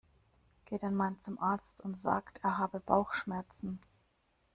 Geht ein Mann zum Arzt und sagt, er habe Bauchschmerzen.